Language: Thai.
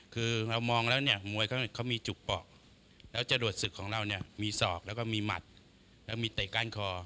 คือเรามองแล้วเนี่ยมวยเขามีจุกปอกแล้วจรวดศึกของเราเนี่ยมีศอกแล้วก็มีหมัดแล้วมีเตะก้านคอ